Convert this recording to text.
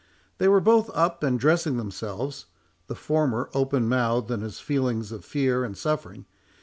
They were both up and dressing themselves; the former open mouthed in his feeling of fear and suffering.